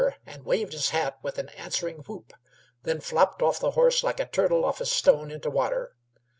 and waved his hat with an answering whoop, then flopped off the horse like a turtle off a stone into water.